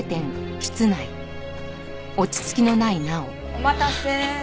お待たせ。